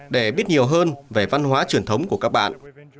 để biết nhiều hơn về văn hóa truyền thống của các bạn